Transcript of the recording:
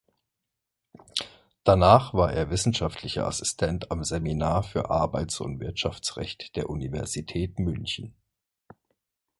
Danach war er wissenschaftlicher Assistent am Seminar für Arbeits- und Wirtschaftsrecht der Universität München.